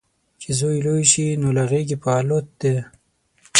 چې زوی لوی شي، نو له غیږې په الوت دی